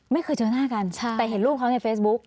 ไม่เคยเจอหน้ากันแต่เห็นรูปเขาในเฟซบุ๊ก